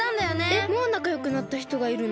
えっもうなかよくなったひとがいるの？